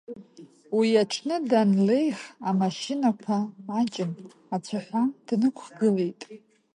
Уи аҽны данлеих, амашьынақәа маҷын, ацәаҳәа днықәгылеит.